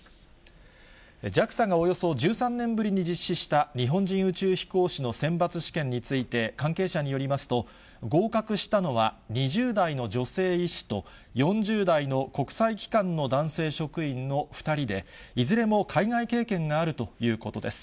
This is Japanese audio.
ＪＡＸＡがおよそ１３年ぶりに実施した日本人宇宙飛行士の選抜試験について、関係者によりますと、合格したのは２０代の女性医師と４０代の国際機関の男性職員の２人で、いずれも海外経験があるということです。